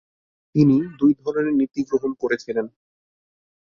তিনি দুই ধরনের নীতি গ্রহণ করেছিলেন।